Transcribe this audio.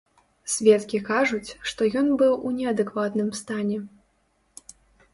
Сведкі кажуць, што ён быў у неадэкватным стане.